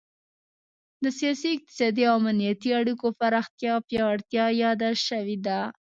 د سیاسي، اقتصادي او امنیتي اړیکو پراختیا او پیاوړتیا یاده شوې ده